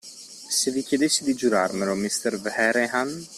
Se vi chiedessi di giurarmelo, mister Vehrehan?